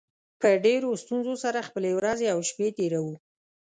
په ډېرو ستونزو سره خپلې ورځې او شپې تېروو